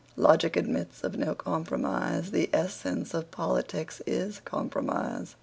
Logic admits of no compromise. The essense of politics is compromise.